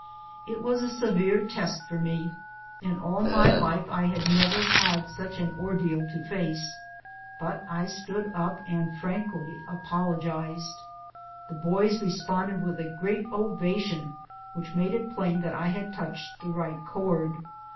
It was a severe test for me ; in all my life I had never had such an ordeal to face. But I stood up and frankly apologized. The boys re sponded with a great ovation which made it plain that I had touched the right chord.